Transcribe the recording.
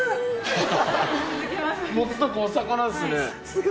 持つとこお魚ですね。